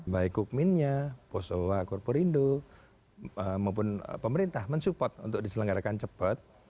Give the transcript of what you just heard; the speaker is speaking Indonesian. baik kukminnya poso korporindo maupun pemerintah mensupport untuk diselenggarakan cepat